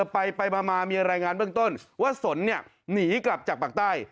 ไปมามีรายงานเบื้องต้นว่าสนหนีกลับจากปากใต้